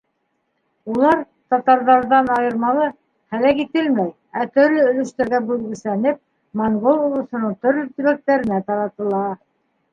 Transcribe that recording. Улар, татарҙарҙан айырмалы, һәләк ителмәй, ә төрлө өлөштәргә бүлгесләнеп, Монгол олоҫоноң төрлә төбәктәренә таратыла.